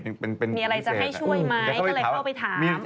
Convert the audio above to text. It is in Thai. มีอะไรจะให้ช่วยไหมก็เลยเข้าไปถาม